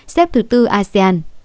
xếp từ bốn asean